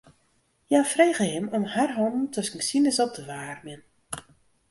Hja frege him om har hannen tusken sines op te waarmjen.